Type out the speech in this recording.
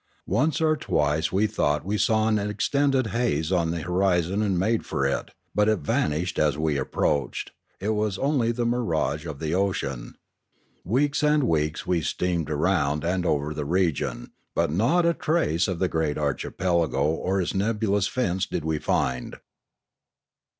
Once or twice we thought we saw an extended haze on the horizon and made for it; but it vanished as we approached; it was only the mirage of the ocean. Weeks and weeks we steamed around and over the region, but not a trace of the great archi pelago or its nebulous fence did we find.